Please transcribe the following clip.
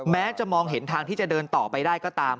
แม้จะมองเห็นทางที่จะเดินต่อไปได้ก็ตาม